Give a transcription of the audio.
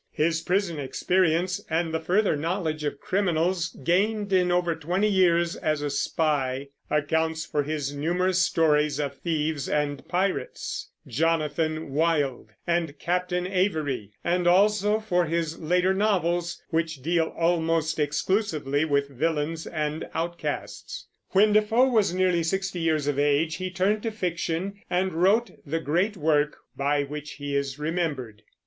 His prison experience, and the further knowledge of criminals gained in over twenty years as a spy, accounts for his numerous stories of thieves and pirates, Jonathan Wild and Captain Avery, and also for his later novels, which deal almost exclusively with villains and outcasts. When Defoe was nearly sixty years of age he turned to fiction and wrote the great work by which he is remembered.